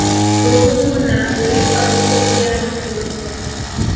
Ruhuhu na Ruipa upo pia mto Rungwa